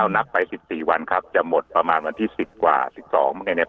นับไป๑๔วันครับจะหมดประมาณวันที่๑๐กว่า๑๒เหมือนกันเนี่ย